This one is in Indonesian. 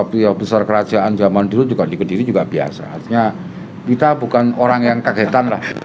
beliau besar kerajaan zaman dulu juga di kediri juga biasa artinya kita bukan orang yang kagetan lah